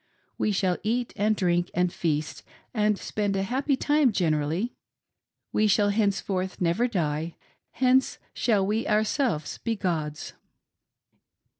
We shall eat, and drink, and feast, and spend a happy time generally. We shall henceforth never die — hence we shall ourselves be gods!